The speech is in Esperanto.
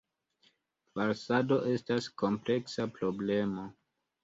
Falsado estas kompleksa problemo.